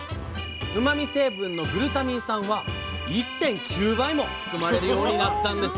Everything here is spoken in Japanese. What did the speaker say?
うまみ成分のグルタミン酸は１．９倍も含まれるようになったんです